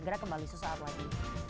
segera kembali suatu saat lagi